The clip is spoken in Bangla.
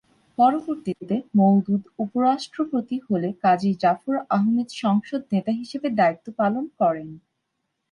পরবর্তীতে মওদুদ উপরাষ্ট্রপতি হলে কাজী জাফর আহমেদ সংসদ নেতা হিসেবে দায়িত্ব পালন করেন।